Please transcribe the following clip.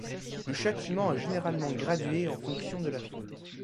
Le châtiment est généralement gradué en fonction de la faute.